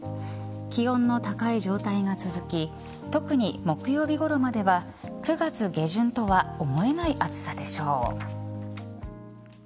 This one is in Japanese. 気温の高い状態が続き特に木曜日ごろまでは９月下旬とは思えない暑さでしょう。